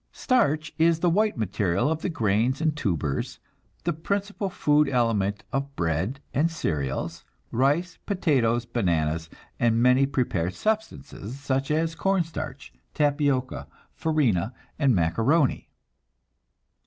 Starch is the white material of the grains and tubers; the principal food element of bread and cereals, rice, potatoes, bananas, and many prepared substances such as corn starch, tapioca, farina and macaroni.